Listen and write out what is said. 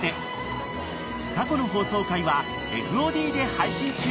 ［過去の放送回はＦＯＤで配信中］